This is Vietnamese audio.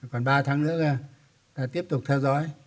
còn ba tháng nữa ta tiếp tục theo dõi